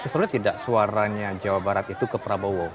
sulit tidak suaranya jawa barat itu ke prabowo